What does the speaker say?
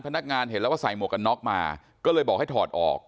เห็นแล้วว่าใส่หมวกกันน็อกมาก็เลยบอกให้ถอดออก